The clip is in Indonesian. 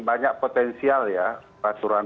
banyak potensial ya peraturan